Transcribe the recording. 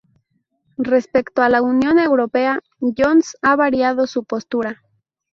Respecto a la Unión Europea, Jones ha variado su postura.